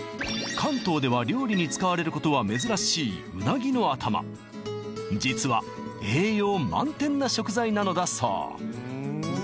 関東では料理に使われることは珍しいうなぎの頭実は栄養満点な食材なのだそう